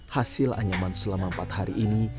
hasil anyaman selama empat hari ini